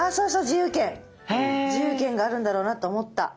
自由軒があるんだろうなって思った。